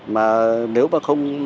mà nếu mà không